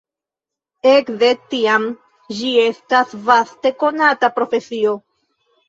Ekde tiam ĝi estas vaste konata profesio.